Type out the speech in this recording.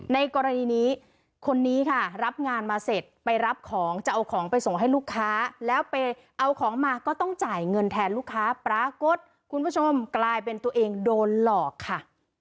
ในกรณีนี้คนนี้ค่ะรับงานมาเสร็จไปรับของจะเอาของไปส่งให้ลูกค้าแล้วไปเอาของมาก็ต้องจ่ายเงินแทนลูกค้าปรากฏคุณผู้ชมกลายเป็นตัวเองโดนหลอกค่ะ